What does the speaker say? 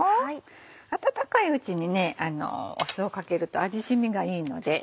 温かいうちに酢をかけると味染みがいいので。